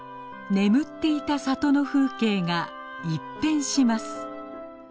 眠っていた里の風景が一変します。